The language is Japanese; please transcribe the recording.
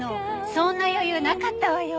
そんな余裕なかったわよ！